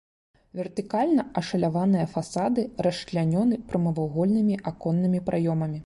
Вертыкальна ашаляваныя фасады расчлянёны прамавугольнымі аконнымі праёмамі.